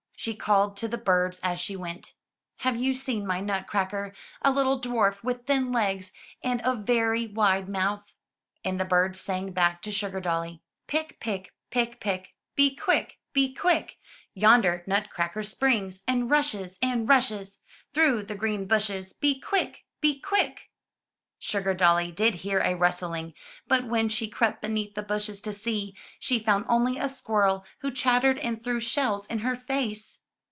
She called to the birds as she went, ''Have you seen my Nutcracker — a little dwarf with thin legs, and a very wide mouth?" And the birds sang back to Sugardolly: "Pick, pick, pick, pick. Be quick, be quick. Yonder Nutcracker springs, And rushes and rushes Through the green bushes, Be quick, be quick." Sugardolly did hear a rustling, but when she crept beneath the bushes to see, she found only a squirrel who chattered and threw shells in her face.